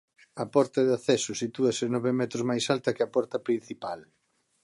A porta de acceso sitúase nove metros máis alta que a porta principal.